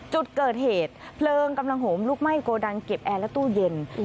จุดเกิดเหตุเพลิงกำลังโหมลุกไหม้โกดังเก็บแอร์และตู้เย็น